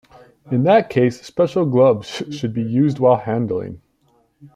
In that case, special gloves should be used while handling.